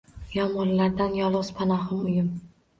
Yomg‘irlardan yolg‘iz panohim, uyim